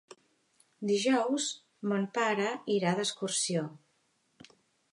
Dijous mon pare irà d'excursió.